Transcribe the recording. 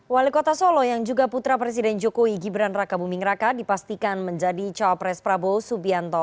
wali kota solo yang juga putra presiden jokowi gibran raka buming raka dipastikan menjadi cawapres prabowo subianto